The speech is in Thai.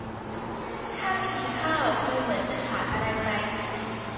ถ้าไม่กินข้าวดูเหมือนจะขาดอะไรไป